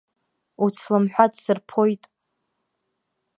Уцламҳәа ҭсырԥоит!